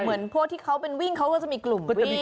เหมือนพวกที่เขาเป็นวิ่งเขาก็จะมีกลุ่มวิ่ง